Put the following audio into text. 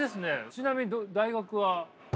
ちなみに大学は？